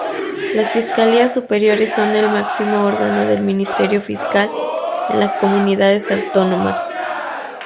Las Fiscalías Superiores son el máximo órgano del Ministerio Fiscal en las comunidades autónomas.